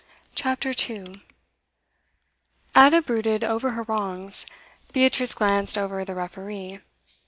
CHAPTER 2 Ada brooded over her wrongs; Beatrice glanced over The Referee.